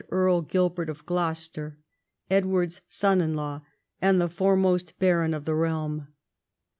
Earl Gil])ert of Gloucester, Edward's son in law, and the foremost baron of the realm.